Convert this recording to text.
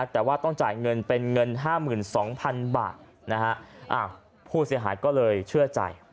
แต่ว่าต้องจ่ายเงินเป็นเงิน๕๒๐๐๐บาทผู้เสียหายก็เลยเชื่อใจ